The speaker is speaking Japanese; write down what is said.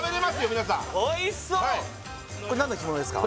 皆さんおいしそう何の干物ですか？